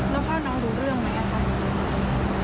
แล้วพ่อน้องรู้เรื่องมั้ยค่ะทราบมั้ย